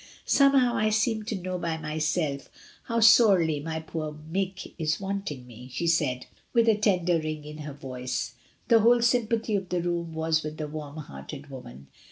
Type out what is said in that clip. Somehow I seem to know by myself how sorely my poor Mick is wanting me," 270 MRS. DYMOND. she said, with a tender ring in her voice. The whole sympathy of the room was with the warm hearted woman.